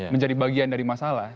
menjadi bagian dari masalah